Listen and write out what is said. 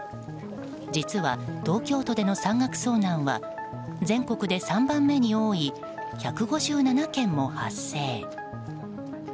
実は東京都での山岳遭難は全国で３番目に多い１５７件も発生。